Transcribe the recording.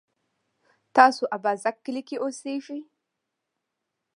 تاسو اببازک کلي کی اوسیږئ؟